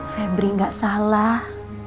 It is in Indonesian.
febri gak salah